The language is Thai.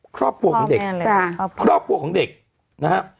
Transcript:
ครอบครัวของเด็กครอบครัวของเด็กนะฮะ